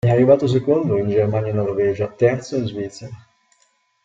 È arrivato secondo in Germania e Norvegia, terzo in Svizzera.